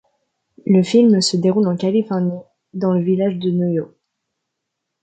Le film se déroule en Californie, dans le village de Noyo.